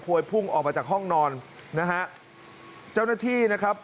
วยพุ่งออกมาจากห้องนอนนะฮะเจ้าหน้าที่นะครับ